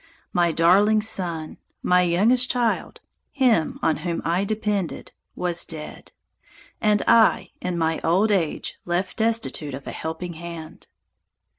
My darling son, my youngest child, him on whom I depended, was dead; and I in my old age left destitute of a helping hand!